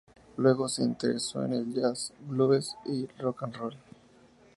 Luego se interesó en el Jazz, Blues, y rock and roll.